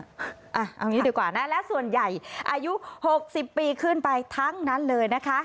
เอางี้ดีกว่านะและส่วนใหญ่อายุ๖๐ปีขึ้นไปทั้งนั้นเลยนะคะ